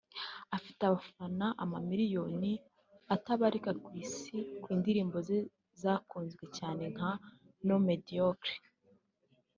afite abafana amamiliyoni atabarika ku Isi ku bw’indirimbo ze zakunzwe cyane nka ’No Mediocre’